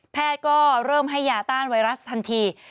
แพทย์ก็เริ่มให้หย่าต้านไวรัสทันที